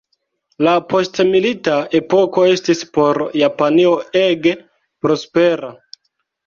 La postmilita epoko estis por Japanio ege prospera.